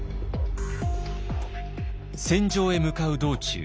戦場へ向かう道中